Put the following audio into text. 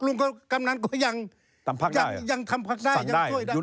กำนันก็ยังทำพักได้ยังช่วยได้